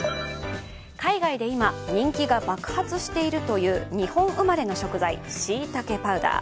海外で今、人気が爆発しているという日本生まれの食材、しいたけパウダー。